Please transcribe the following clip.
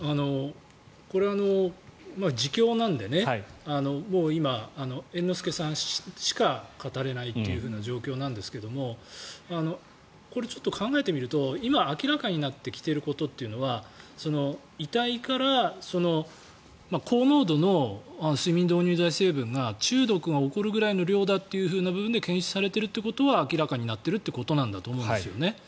これ、自供なので今、猿之助さんしか語れないっていう状況なんですがこれちょっと考えてみると今、明らかになってきていることというのは遺体から高濃度の睡眠導入剤成分が中毒が起こるくらいの量だという部分で検出されているということは明らかになっていることなんだと思うんですよね。